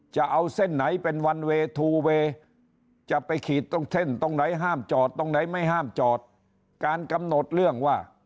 จะเอาเส้นไหนเป็นวันเวย์ทูเวย์จะไปขีดตรงเส้นตรงไหนห้ามจอดตรงไหนไม่ห้ามจอดการกำหนดเรื่องว่า